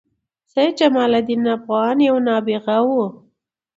سيدجمال الدين افغان یو نابغه وه